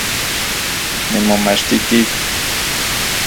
Nimomachtiti